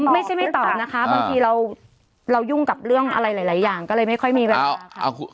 ไม่ใช่ไม่ตอบนะคะบางทีเรายุ่งกับเรื่องอะไรหลายอย่างก็เลยไม่ค่อยมีแบบ